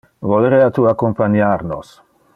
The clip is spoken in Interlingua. Volerea tu accompaniar nos?